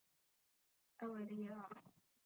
埃维利耶尔。